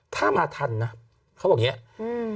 ถ้ามาทันนะเขาบอกอย่างนี้